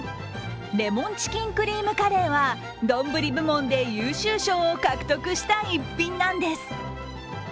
レモンチキンクリームカレーは丼部門で優秀賞を獲得した逸品なんです。